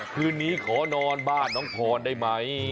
คืนนี้ขอนอนบ้านน้องพรได้ไหม